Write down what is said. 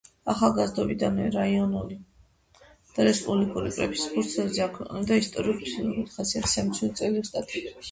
ახალგაზრდობიდანვე რაიონული და რესპუბლიკური პრესის ფურცლებზე აქვეყნებდა ისტორიულ-ფილოლოგიურ ხასიათის სამეცნიერო წერილებს, სტატიებს.